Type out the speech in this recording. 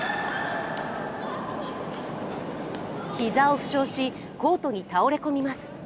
ひざを負傷しコートに倒れ込みます。